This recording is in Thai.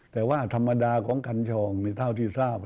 แต่ว่าธรรมดาของกัญชองเท่าที่ทราบ